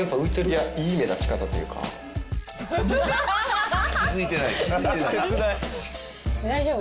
いやいい目立ち方というか気付いてない切ない大丈夫？